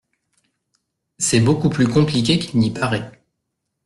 C’est beaucoup plus compliqué qu’il n’y paraît.